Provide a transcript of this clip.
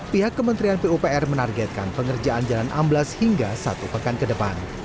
pihak kementerian pupr menargetkan pengerjaan jalan amblas hingga satu pekan ke depan